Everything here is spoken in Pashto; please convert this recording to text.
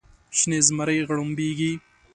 شنې زمرۍ غړمبیږې